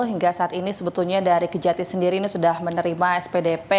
hingga saat ini sebetulnya dari kejati sendiri ini sudah menerima spdp